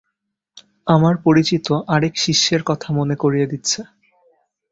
আমার পরিচিত আরেক শিষ্যের কথা মনে করিয়ে দিচ্ছে।